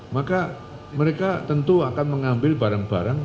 maka mereka tentu akan mengambil barang barang